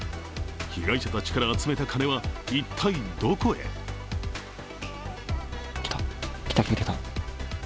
被害者たちから集めた金は一体どこへ来た、来た、来た、来た。